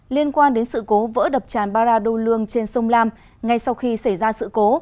liên quan đến sự cố vỡ đập tràn baradolương trên sông lam ngay sau khi xảy ra sự cố